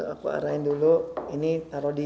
aku arahin dulu ini taruh di